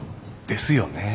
ですよね。